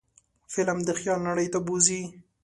فلم د خیال نړۍ ته بوځي